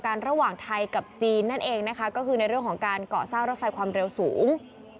ระหว่างไทยกับจีนนั่นเองนะคะก็คือในเรื่องของการเกาะสร้างรถไฟความเร็วสูง